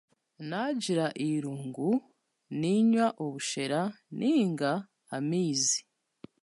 Naagira eirungu, ninywa obushera nainga amaizi